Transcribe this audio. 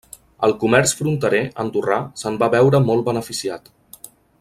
El comerç fronterer andorrà se’n va veure molt beneficiat.